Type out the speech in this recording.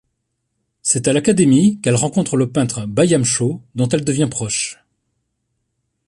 C’est à l’Academy qu’elle rencontre le peintre Byam Shaw dont elle devient proche.